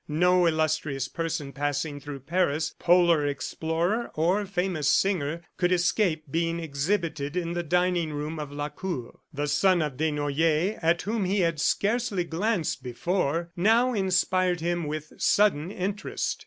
No illustrious person passing through Paris, polar explorer or famous singer, could escape being exhibited in the dining room of Lacour. The son of Desnoyers at whom he had scarcely glanced before now inspired him with sudden interest.